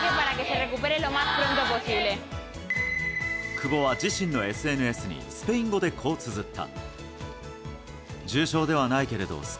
久保は自身のＳＮＳにスペイン語で、こうつづった。